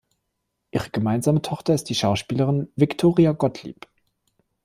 Ihre gemeinsame Tochter ist die Schauspielerin Viktoria Gottlieb.